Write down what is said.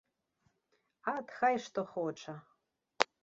Ат, хай што хоча.